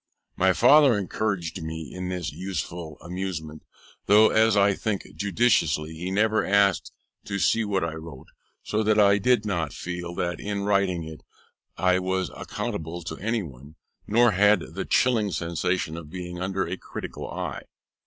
My father encouraged me in this useful amusement, though, as I think judiciously, he never asked to see what I wrote; so that I did not feel that in writing it I was accountable to any one, nor had the chilling sensation of being under a critical eye.